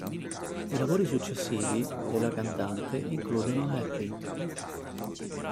I lavori successivi della cantante includono "Happy?